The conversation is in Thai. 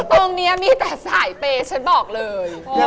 ตรงนี้มีแต่สายเปย์ฉันบอกเลย